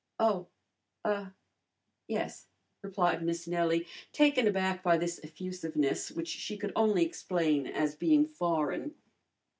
"Oh er yes," replied Miss Nellie, taken aback by this effusiveness, which she could only explain as being foreign.